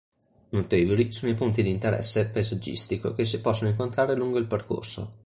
Notevoli sono i punti di interesse paesaggistico che si possono incontrare lungo il percorso.